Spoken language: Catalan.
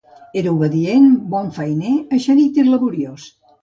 Era obedient, bon feiner, eixerit i laboriós